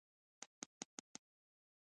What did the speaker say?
نږدې اتلس زره پنځه سوه لنډۍ راټولې کړې دي.